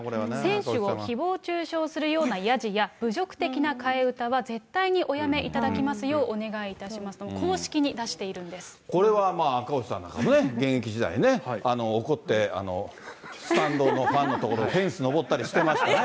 選手をひぼう中傷するようなヤジや侮辱的な替え歌は絶対におやめいただきますようお願いいたしますと、公式に出しているんでこれはまあ赤星さんなんかもね、現役時代ね、怒って、スタンドのファンの所、フェンスのぼったりしてましたね。